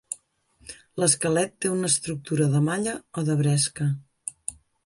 L'esquelet té una estructura de malla o de bresca.